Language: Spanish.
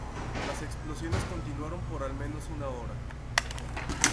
Las explosiones continuaron por al menos una hora.